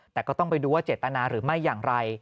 แต่ก็ต้องไปดูว่าเจตนาหรือไม่อย่างไร